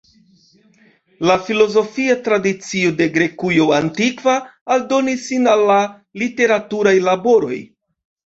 La filozofia tradicio de Grekujo antikva aldonis sin al la literaturaj laboroj.